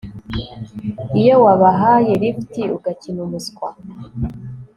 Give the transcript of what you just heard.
iyo wabahaye lift ugakina umuswa